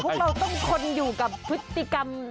พวกเราต้องทนอยู่กับพฤติกรรม